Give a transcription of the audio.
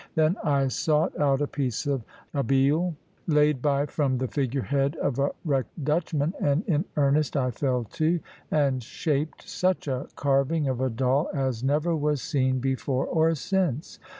Then I sought out a piece of abele, laid by from the figure head of a wrecked Dutchman, and in earnest I fell to, and shaped such a carving of a doll as never was seen before or since.